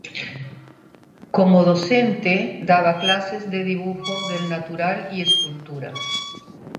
Como docente daba clases de dibujo del natural y escultura.